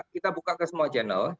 kita buka ke semua channel